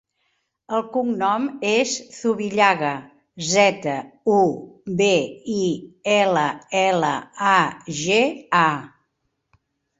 El cognom és Zubillaga: zeta, u, be, i, ela, ela, a, ge, a.